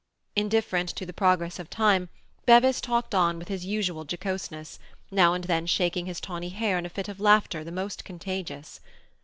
Indifferent to the progress of time, Bevis talked on with his usual jocoseness, now and then shaking his tawny hair in a fit of laughter the most contagious.